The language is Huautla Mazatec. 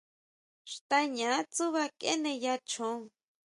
Xtaña tsúʼba keneya choon.